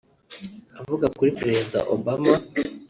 Avuga kuri Perezida Obama